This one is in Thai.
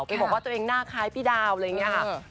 แกบอกว่าตัวเองหน้าคล้ายพี่ดาวอะไรอย่างนี้ค่ะ